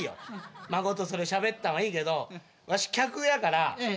孫とそれしゃべったんはいいけどわし客やから。